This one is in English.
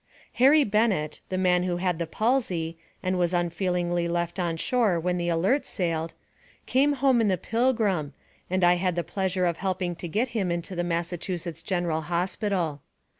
Harry Bennett, the man who had the palsy, and was unfeelingly left on shore when the Alert sailed, came home in the Pilgrim, and I had the pleasure of helping to get him into the Massachusetts General Hospital.